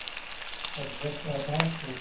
قبضیت باید حل شي.